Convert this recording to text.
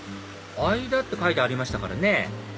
間って書いてありましたからね